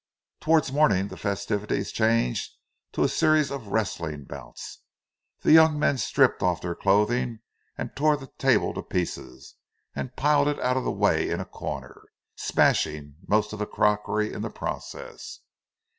Toward morning the festivities changed to a series of wrestling bouts; the young men stripped off their clothing and tore the table to pieces, and piled it out of the way in a corner, smashing most of the crockery in the process.